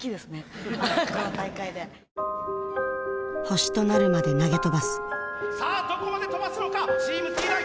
星となるまで投げ飛ばすさあどこまで跳ばすのかチームＴ大。